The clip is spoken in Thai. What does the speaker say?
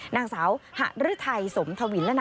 นางสาวหะรุไทสมธวิน